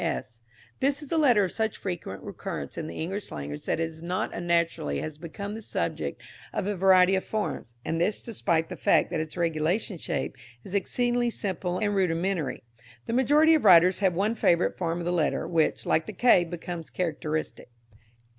s. This is a letter of such frequent recurrence in the English language that it not unnaturally has become the subject of a variety of forms, and this despite the fact that its regulation shape is exceedingly simple and rudimentary. The majority of writers have one favourite form of the letter, which, like the k, becomes characteristic.